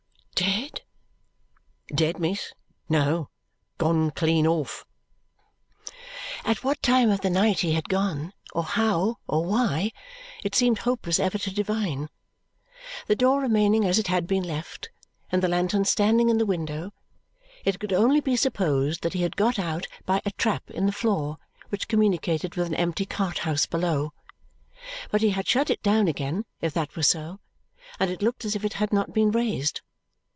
"Dead!" "Dead, miss? No. Gone clean off." At what time of the night he had gone, or how, or why, it seemed hopeless ever to divine. The door remaining as it had been left, and the lantern standing in the window, it could only be supposed that he had got out by a trap in the floor which communicated with an empty cart house below. But he had shut it down again, if that were so; and it looked as if it had not been raised.